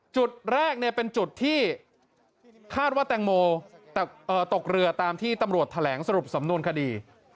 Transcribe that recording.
จุดแรกเป็นจุดที่คาดว่าแตงโมตกเรือตามที่ตำรวจแถลงสรุปสำนวนคดี